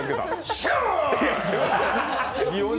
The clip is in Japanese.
シューン！